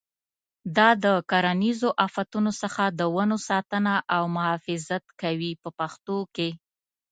دا د کرنیزو آفتونو څخه د ونو ساتنه او محافظت کوي په پښتو کې.